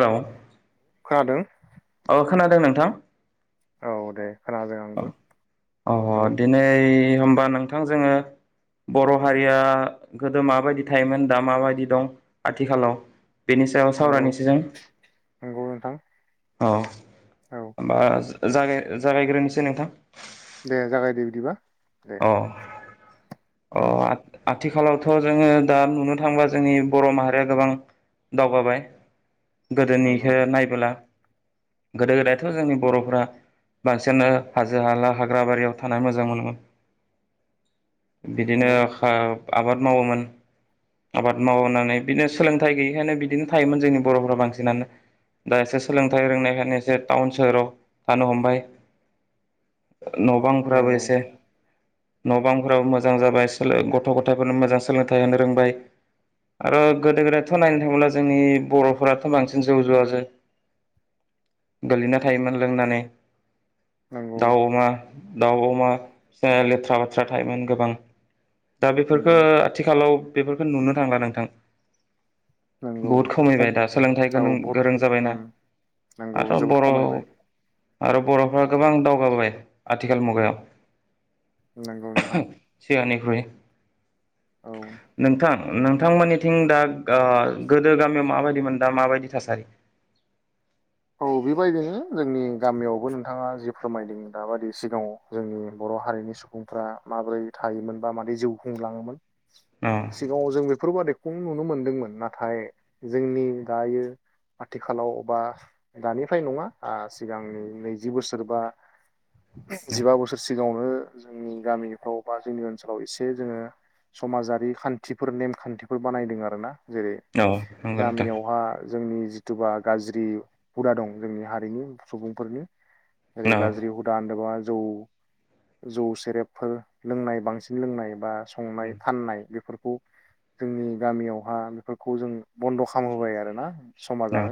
Hello खानादों औ खोनादों नोंथां औ दे। खोनादों आंबो अ औ दिनै होमबा नोंथां जोङो बर' हारिया गोदो माबायदि थायोमोन दा माबायदि दं आथिखालाव बेनि सायाव नंगौ सावरायनोसै जों नंगौ नोंथां औ औ होमबा जागा जागायग्रोनो नोंथां दे जागाय दे बिदिबा दे अ औ [unintelligible] आथिखालावथ' जोङो दा नुनो थांबा जोंनि बर' माहारिया गोबां दावगाबाय नंगौ गोदोनिखौ नायबोला गोदो गोदायथ' जोंनि बर'फ्रा बांसिनानो हाजो हाला हाग्रा बारियाव थानाय मोजां मोनोमोन बिदिनो नंगौ खा आबाद मावोमोन आबाद मावनानै बिदिनो सोलोंथाइ गैयिखायनो बिदिनो थायोमोन जोंनि बर'फोरा बांसिनानो दा एसे सोलोंथाइ रोंनायखायनो एसे टाउन सोहोराव थानो हमबाय न' बांफ्राबो नंगौ एसे न' बांफोराबो मोजां जाबाय गथ' गथायफोरनो मोजां सोलोंथाइ होनो रोंबाय आरो गोदो गोदायथ' नायनो थाङोब्ला जोंनि बर'फोराथ' बांसिन जौ जुवाजो गोलैना थायोमोन लोंनानै नंगौ दाउ अमा दउ'अमा जाया लेथ्रा फेथ्रा थायोमोन गोबां दा नंगौ बेफोरफोरखौ आथिखालाव बेफोरखौ नुनो थांला नोंथां नंगौ बहुद खम खमायबाय दा सोलोंथाइ औ गों बहुद गोरों उम जाबायना नंगौ आरो जोबोद बर' खमायबाय आरो बर'फ्रा गोबां दावगाबाय आथिखाल मुगायाव नंगौ नोंथां [unintelligible] औ नोंथां नोंथांमोननि थिं दा ओ गोदो गामियाव माबायदि मोन दा माबायदि थासारि औ बेबायदिनो जोंनि गामियावबो नोंथाङा जि फोरमायदों दाबायदि सिगाङाव जोंनि बर' हारिनि सुबुंफ्रा माबोरै थायोमोन बा मारै जिउ खुंलाङोमोन अ सिगाङाव जों बेफोरबादि खौ नुनो मोनदोंमोन नाथाय जोंनि दायो आथिखालाव बा दानिफ्राय नङा ओ सिगांनि नैजि बोसोरबा जिबा बोसोरसिम सिगाङावनो जोंनि गामिफ्राव बा जोंनि ओनसोलाव एसे जोङो समाजारि खान्थिफोर नेम खान्थिफोर बानायदों आरो ना जेरै अ नंगौ नोंथां गामियावहा जोंनि जिथुबा गाज्रि हुदा दं जोंनि हारिनि सुबुंफोरनि जेरै औ गाज्रि जेने'बा जौ जौ सेरेबफोर लोंनाय बांसिन लोंनाय बा संनाय फाननाय बेफोरखौ जोंनि गामियावहा बेफोरखौ जों बन्द' खालामहोबाय आरो ना औ समाजानो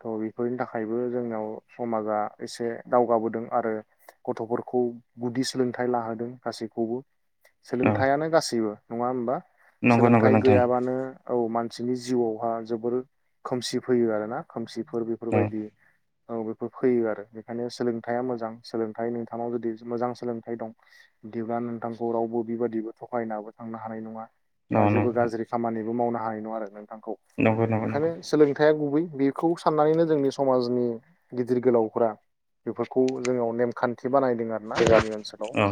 थ' बे फोरनि थाखायबो जोंनाव समाजा एसे दावगाबोदों आरो गथ'फोरखौ गुदि सोलोंथाइ लाहोदों गासैखौबो औ सोलोंथाइानो गासैबो नङा होमबा नंगौ नंगौ सोलोंथाइ नोंथां गैयाबानो औ मानसि जोंनि जिउआवहा जोबोर खोमसि फैयो आरोना खोमसिफोर औ बेफोरबायदि औ बे फोर फैयो आरो बेखायनो सोलोंथाइया मोजां सोलोंथाइ नोंथांनाव जुदि मोजां सोलोंथाइ दं बिदिब्ला नोंथांखौ रावबो बेबादिबो थगायनाबो थांनो हानाय नङा औ बा नंगौ जेबो गाज्रि खामानिबो मावना [unintelligible] बिथांखौ नंगौ नंगौ ओंखायनो सोलोंथाइआ गुबै बेखौ साननानैनो नों जोंनि समाजनि गिदिर गोलावफोरा बेफोरखौ जोंनाव नेमखान्थि बानाय फैदों आरोना जोंनि ओनसोलाव औ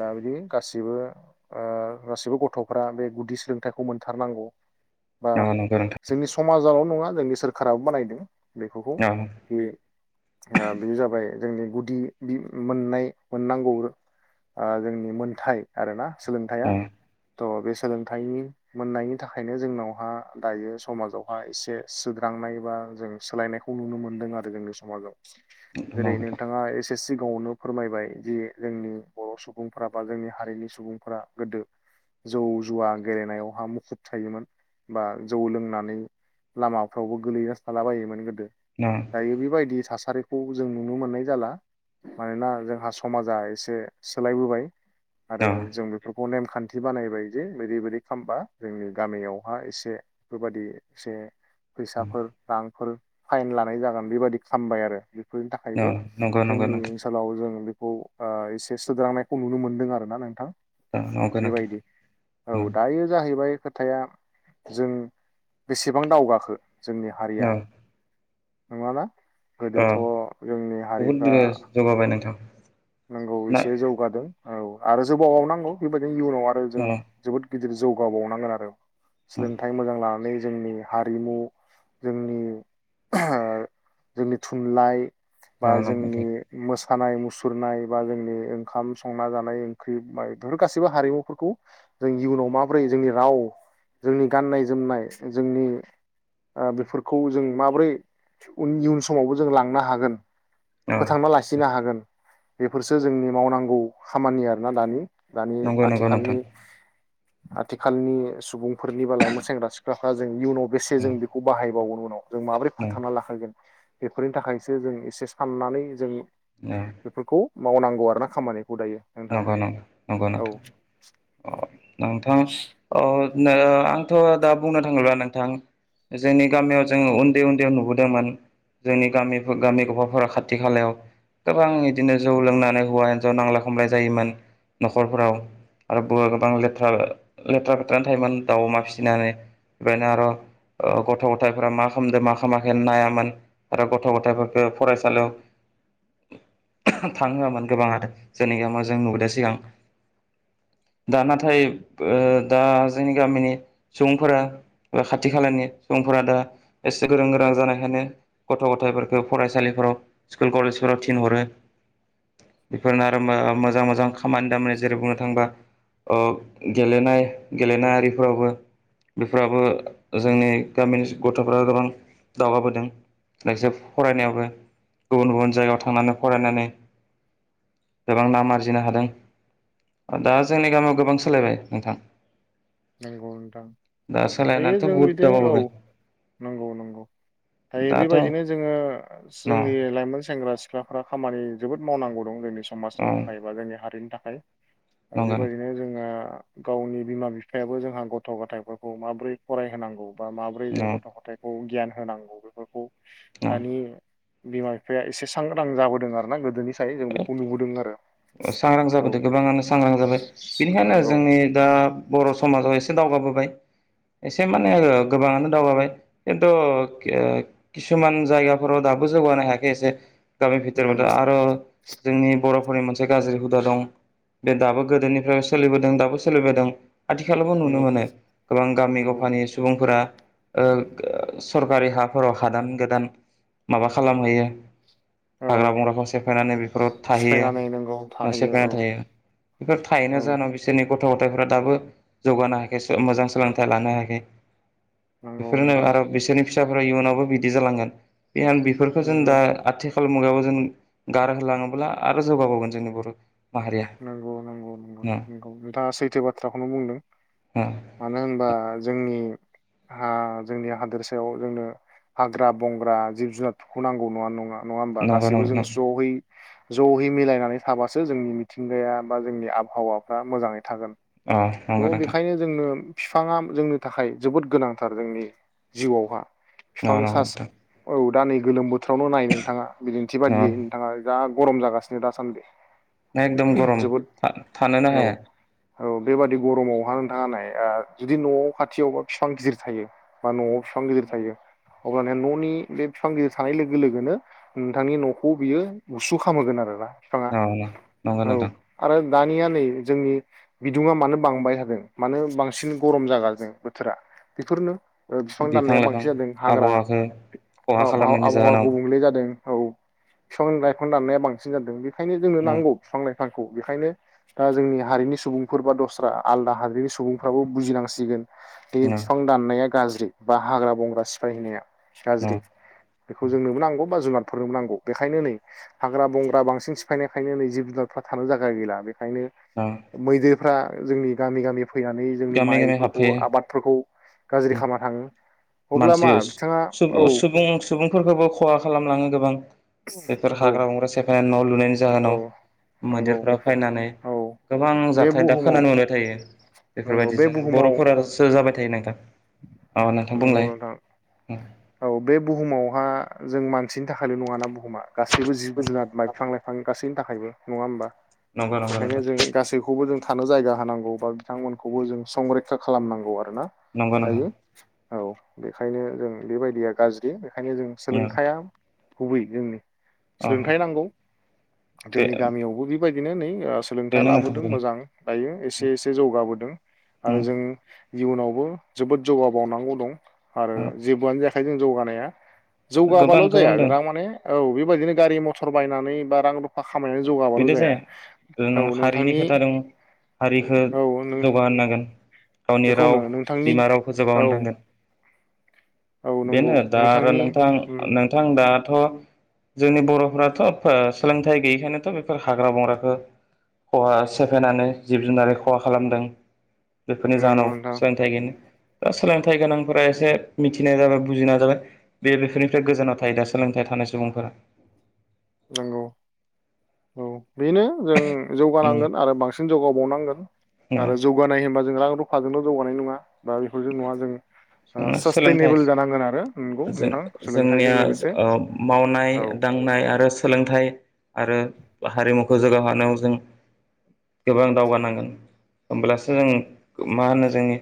दा बिदि गासिबो ओ गासिबो गथ'फ्रा बे गुदि सोलोंथाइखौ मोनथारनांगौ बा नंगौ नंगौ नोंथां जोंनि समाजाव नङा जोंनि सोरखाराबो बानायदों बेफोरखौ औ ओ बेयो जाबाय जोंनि गुदि मोननाय मोननांगौ ओ जोंनि मोनथाय आरो ना सोलोंथाया नंगौ थ' बे सोलोंथाइनि मोननायनि थाखायनो जोंनावहा दायो समाजावहा एसे सुद्रांनाय बा जों सोलायनायखौ नुनो मोनदों आरो जोंनि समाजाव। ओेरै नोंथाङा एसे एसे सिगाङावनो फोरमायबाय जे जोंनि बर' सुबुंफोरा बा जोंनि हारिनि सुबुंफोरा गोदो जौ जुवा गेलेनायावहा मुखुब थायोमोन बा जौ लोंनानै लामाफ्रावबो गोलैना थालाबायायोमोन। गोदो दायो बेबायदि थासारि खौ जों नुनो मोननाय जाला मानोना जोंहा समाजा एसे सोलायबोबाय। आरो औ जों बेफोरखौ नेम खान्थि बानायबाय जे बिदिबायदि खालामामबा जोंनि गामियावहा एसे बेफोरबादि एसे फैसाफोर रांफोर फाइन लानाय जागोन बेबायादि खालामबाय आरो। फोरनि थाखायबो औ नंगौ जोंनि नोंथां ओनसोलाव जों खौ एसे सोद्रांनायखौ नुनो मोनदों आर ना नोंथां। औ नंगौ नोंथां बेबायदि औ दायो जाहैबाय खोथाया जों बेसेबां दावगाखो जोंनि हारिया औ औ हमना ला औ गोदोथ' जोंनि बहुद हारिफ्रा जौगाबाय नोंथां नंगौ ना एसे जौगादों औ आरो जौगाबावनांगौ बेबायदिनो इयुनाव आरो जों औ जोबोद गिदिर जौगाबावनांगोन आरो औ सोलोंथाइ मोजां लानानै जोंनि हारिमु जोंनि जोंनि थुनलाइ बा औ नंगौ जोंनि नोंथां मोसौ मोसानाय मुसुरनाय बा जोंनि ओंखाम संना जानाय ओंख्रि बेफोर गासैबो हारिमुफोरखौ जों इयुनाव माबोरै जोंनि राव जोंनि गाननाय जोमनाय जोंनि ओ बेफोरखौ जों माबोरै इयुन समावबो जों लांनो हागोन औ फोथांना लाखिनो हागोन बेफोरसो जोंनि मावनांगौ खामानि आरोना दानि। दानि नंगौ नंगौ नोंथां आथिखालनि आथिखालनि सुबुंफोरनि बा लाइमोन सेंग्रा सिख्लाफ्रा जों इयुनाव बेसे औ जों बेखौ बाहायबावनो जों माबोरै औ फोथांना लाखिगोन बेफोरनि थाखायसो जों एसे साननानै जों बेफोरखौ मावनांगौ आर ना खामानि। नंगो नों नंगौ नोंथां अ नोंथां अ नो आंथ' दा बुंनो थाङोब्ला नोंथां जोंनि गामियाव जों उन्दै उन्दैयाव नुबोदोंमोन मान जोंनि गामि गामि गफाफोरा खाथि खालायाव गोबां बिदिनो जौ लोंनानै हौवा हिनजाव नांलाय ख खमलाय जायोमोन न'खरफोराव आरो ब गोबां लेथ्रा लेथ्रा फेथ्रनानै खमलाय जायोमोन न'खरफोराव आरो बोर गोबां लेथ्रा लेथ्रा फेथ्रानो थायोमोन दाउ अमा फिसिनानै बेनो आरो गथ' गथायफोरा मा खालामदों मा खामाखै नायामोन आरो गथ' गथाइफोरखौ फरायसालियाव थांहोआमोन गोबां आनो जोंनि गामियाव जों नुबोदो सिगां दा नाथाय ओ दा जोंनि गामिनि सुबुंफोरा बा खाथि खालानि सुबुंफोरा दा एसे गोरों गोरों जानायखायनो गथ' गथायफोरखौ फरायसालिफोराव स्कुल कलेजफोराव थिनहरो बेफोरनो आ मोजां मोजां खामानि दामानि जेरै बुंनो थाङोबा ओ गेलेनाय गेलेनाआरिफोरावबो बेफोरावबो जोंनि गामिनि गथ'फोरा गोबां दावगाबोदों जायखिजोब फरायनायावो गुबुन गुबुन जायगायाव थांनानै फरायनानै गोबां नाम आरजिनो हादों दा जोंनि गामियाव गोबां सोलायबाय नोंथां नंगौ नोंथां दा दायो सोलायनानैथ' जों बुहुद बिदि औ दावगाबोबाय नंगौ नंगौ दायो दाथ' बेबायदिनो जोङो न जोंनि लाइमोन सेंग्रा सिख ख्लाफ्रा खामानि जोबोद मावनांगौ दं जोंनि औ समाजनि थाखाय बा जोंनि हारिनि था आरो आरो नंगौ बेबायदिनो जोङा गावनि बिमा बिफ फायाबो जोंहा गथ' गथायफोरखौ माबोरै फरायहोनांगौ बा माबोरै जों नोंथां गथ' गथायखौ गियान होनांगौ बेफोरखौ औ दानि बिमा- बिफाया एसे सांग्रां जाबोदों आरो ना गोदोनि साय जों बेखौ नुबोदों आरो सांग्रां औ जाबोदों गोबाङानो सांग्रां जाबाय बेनिखायनो नंगौ जोंनि दा बर' समाजाव एसे दावगाबोबाय एसे माने ओ गोबाङानो दावगाबाय खिन्तु के किसुमान जायगाफोराव दाबो जौगानो हायाखै एसे गामि भितोराव दा नंगौ आरो जोंनि बर'फोरनि मोनस से गाज्रि हुदा दं बे दाबो गोदोनिफ्राय सोलिबोदों दाबो सोलिबोदों आथिखालावबो नुनो नंगौ मोनो गोबां गामि नंगौ गफानि सुबुंफोरा ओ ओ सरकारि हाफोराव हादान गोदान माबा खालामहैयो औ हाग्रा बंग्राखौ सेफायनानै बेफोराव थाहैयो सिफायनानै नंगौ ओ थाहैयो औ सेफायना थायो बेफोर थायोना औ जाहोनाव बिसोरनि गथ' गथायफोरा दाबो जौगानो हायाखै सो मोजां सोलोंथाइ लानो हायाखै नंगौ बेफोरनो नोंथां आरो बिसोरनि फिस साफोरा इयुनावबो बिदि जालांगोन [unintelligible] बेफोरखो जों दा नंगौ आथिख खाल मुगायावबो जों गारहोलाङोब्ला आरो जौगाबावगोन जोंनि बर' माहारिया नंगौ नंगौ नंगौ उम नंगौ नोंथाङा सैथो बाथ्राखौनो बुंदों उम मानो होनबा जोंनि हा जोंनि हादोरसायाव जोंनो हाग्रा बंग्रा जिब जुनारफोरखौ नांगौ नङा नङा नङा होमबा नंगौ गासैबो जों नंगौ स'यै जहै मिलायनानै थाबासो जोंनि मि थिंगाया बा जोंनि आबहावाफ्रा मोजांङै थागोन। अ नंगौ नोंथां फिफांङा जोंनो थाखाय जोबोद गोनांथार जोंनि जिउआवहा नंगौ फिफां नंगौ सास नोंथां औ दा नै गोलोम बोथ थोरावनोल' नाय नोंथांङा बिदिन्थि बादियै अ नोंथाङा जा गरम जागासिनो दासान्दि एकदम गरम जोबोद था थानोनो औ हाया औ बेबादि गरमावहा नोंथांङा नाय आ जुदि न'आव खाथियावबा फिफां गिदिर थायो बा न'आव फिफां गिदिर थायो अब्लाना न'नि बे फिफां गिदिर थानाय लोगो लोगोनो नोंथांनि न'खौ बियो गुसु खामहोगोन आरोना। बिफाङा औ नंगौ औ नोंथां। आरो दानिया नै जोंनि बिदुङा मानो बांबाय थादों मानो बांसिन गरम जागाजों बोथोरा बेफोरनो फिफां दाननाया बिफां लाइफां बांसिन जादों हाग्रा आबहावाखौ अ खहा आ खालामनायनि आबहावा जाहोनाव गुबुंले जादों। औ फिफां लाइफां दाननाया बांसिन जादों बे खायनो जोंनो उम नांगौ। बिफां-लाइफांखौ बेखायनो ओ जोंनि हारिनि सुबुंफोर बा दस्रा आलादा हारिनि सुबुंफ्राबो बुजिनांसिगोन। बे उम बिफां दाननाया गाज्रि बा हाग्रा बंग्रा सिफायहैनाया उम गाज्रि बेखौ जोंनोबो नांगौ बा जुनार फोरनोबो नांगौ बेखायनो नै हाग्रा बंग्रा बांसिन सिफायनायखायनो नै जिब फ्रा था थानो जागा गैला बे खायनो उम मैदेर फोरा जोंनि गामि गामि फैनानै जोंनि गामि गामि माइफोरखौ हाबफैयो आबादफोरखौ गाज्रि खालामना थांङो। मानसि सु सुबुं सुबुंफोरखौबो खहा खालामलांङो गोबां। बेफोर नंगौ हाग्रा बंग्रा सेफायनानै न' लु लुनायनि औ जाहोनाव नंगौ मैदेरफ्रा फायनानै औ गोबां बे जाथाय दा बुहुमाव खोनानो मोनबाय थायो। नंगौ बे बेफोरबायदिजों बुहुमाव बर'फोरानो सो जाबाय थायो नोंथां औ नों नंगौ नोंथां औ बे बुहुमावहा जों मान सिनि थाखायल' नंङाना बुहुमा गासैबो जिब जुनार मायफां लाइफां गासैब बिनि थाखायबो नङा होमबा? नंगौ नंगौ बेखायनो नोंथां जों गासैखौबो जों थानो जायगा होनांगौ बा बिथांमोनखौबो जों संरैखा खालामनांगौ आरो ना। नंगौ नंगौ। औ बेखायनो जों बेबायदिया गाज्रि ओंखायनो जों सोलोंथाया गुबै जोंनि अ सोलोंथाइ नांगौ बे जोंनि गामियावबो बि बेबायदिनो नै ओ सोलोंथाइ बेनो नोंथां लाबोदों बेनो मोजां दायो एसे एसे जौगाबोदों आरो उम जों इउनावबो जोबोद जौगा बावनांगौ दं। आरो औ जेबोआनो जाया खै जों जौगानाया गोबां जौगाबाल' जाया गोबां दं [unintelligible] माने औ बेबायदिनो गारि मथर बायनानै बा रांल' बेदि जाया ओ औ नों हारिनि नोंथांनि खोथा दं हारिखो औ नों जौगाहोनांगोन। गावनि बेखौनो राव नोंथांनि बिमा रावखौ जौगा औ होननांगोन। औ नंगौ बेनो दा आरो नोंथांनि नोंथां उम नोंथां दा अ जोंनि बर'फ्राथ' ओ सोलोंथाइ गै यिखायनोथ' बेफोर हाग्रा बंग्राखो खहा सेफायनानै जिब जुनार खहा खालामदों। बेफोरनि नंगौ जाहोनाव नोंथां सोलोंथाइ गैयिनि दा सोलोंथाइ गोनांफोरा एसे मिथिनाय जाबाय बुजिनाय जाबाय बे बेफोरनिफ्राय गोजानाव थायो दा सोलोंथाइ थानाय सुबुंफोरा। नोंगौ। औ बेनो जों जौगानांगोन आरो बांसिन जौगाबावनांगोन आरो नंगौ जौगानाय होनबा जों रां रु फाजोंल' जौगानाय नङा बा बेफोरजों नङा जों ओ सोलोंथाइ सासटेनेबोल जानांगोन आरो नंगौ जों नोंथां जोंनिया सोलोंथाइजों लोगोसे ओ मावनाय औ दांनाय आरो सोलोंथाइ आरो हारिमुखौ जौगाहोनाव जों गोबां दावगानांगोन होमब्लासो जों मा होनो जोंनि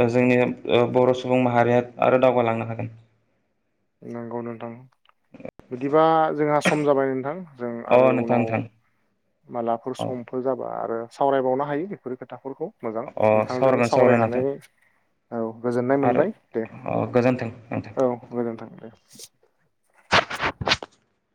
ओ जोंनि ओ बर' सुबुं माहारिया आरो दावगालांनो हागोन। नंगौ नोंथां बिदिबा जोंहा सम जाबाय नोंथां। जों अ आरो नोंथां उनाव नोंथां मालाफोर अ समफोर जाबा आरो सावरायबावनो हायो बेफोर खोथाफोरखौ मोजां अ नोंथांजों सावरायगोन सावरायगोन सावरायनानै नोंथां औ गोजोननाय आरो मोनबाय दे अ गोजोन्थों औ नोंथां दे